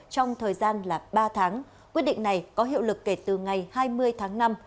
trong thời gian là ba tháng quyết định này có hiệu lực kể từ ngày hai mươi tháng năm